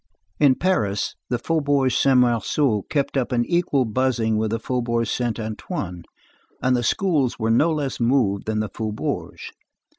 In Paris, the Faubourg Saint Marceau kept up an equal buzzing with the Faubourg Saint Antoine, and the schools were no less moved than the faubourgs.